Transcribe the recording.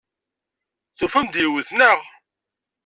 Tufam-d yiwet, naɣ?